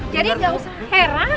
jadi enggak usah heran